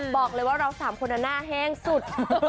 บอกเลยว่าเราสามคนหน้าแห้งสุด